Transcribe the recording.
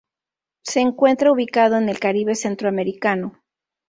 Se encuentra ubicado en el Caribe centroamericano.